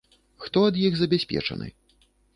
Хто ад іх забяспечаны?